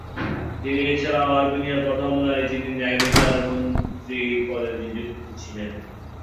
তিনি এছাড়াও আর্মেনিয়ার প্রথম নারী যিনি ন্যায়বিচার মন্ত্রী পদে নিযুক্ত ছিলেন।